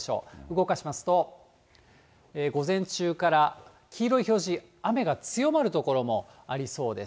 動かしますと、午前中から黄色い表示、雨が強まる所もありそうです。